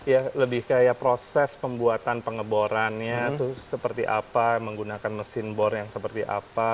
ya lebih kayak proses pembuatan pengeborannya itu seperti apa menggunakan mesin bor yang seperti apa